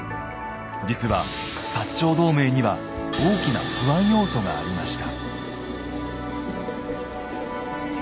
実は長同盟には大きな不安要素がありました。